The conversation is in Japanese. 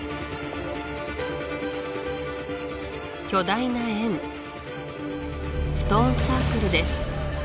巨大な円ストーンサークルです